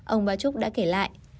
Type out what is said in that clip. ông ba trúc đã kể lại